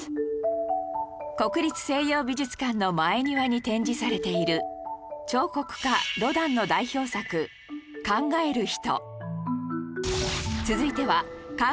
国立西洋美術館の前庭に展示されている彫刻家ロダンの代表作『考える人』